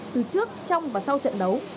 từ trước trong và sau trận đấu